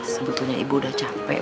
sebetulnya ibu udah capek